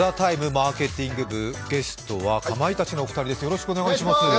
マーケティング部、ゲストはかまいたちのお二人です。